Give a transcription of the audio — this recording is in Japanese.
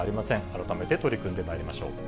改めて取り組んでまいりましょう。